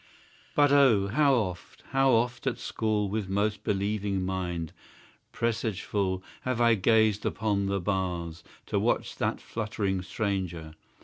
But O! how oft, How oft, at school, with most believing mind, Presageful, have I gazed upon the bars, To watch that fluttering stranger!